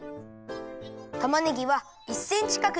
たまねぎは１センチかくにきるよ。